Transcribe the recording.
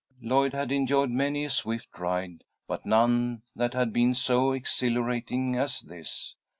Lloyd had enjoyed many a swift ride, but none that had been so exhilarating as this.